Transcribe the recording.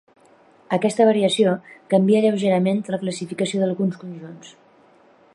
Aquesta variació canvia lleugerament la classificació d'alguns conjunts.